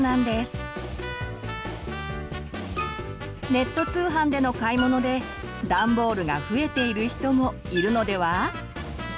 ネット通販での買い物でダンボールが増えている人もいるのでは？